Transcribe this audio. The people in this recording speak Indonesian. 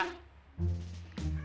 kenapa itu tangannya suci sampai bersih